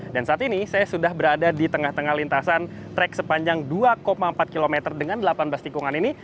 dan saat ini saya sudah berada di tengah tengah lintasan track sepanjang dua empat km dengan delapan belas tikungan ini